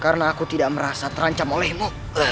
karena aku tidak merasa terancam olehmu